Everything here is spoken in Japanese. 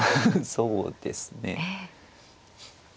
そうですね。